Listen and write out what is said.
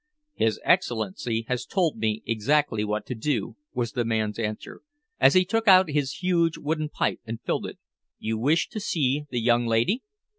"His high Excellency has told me exactly what to do," was the man's answer, as he took out his huge wooden pipe and filled it. "You wish to see the young lady?"